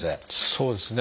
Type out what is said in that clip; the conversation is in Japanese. そうですね。